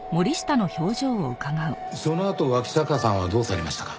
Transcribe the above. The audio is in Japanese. そのあと脇坂さんはどうされましたか？